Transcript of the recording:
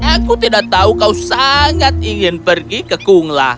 aku tidak tahu kau sangat ingin pergi ke kungla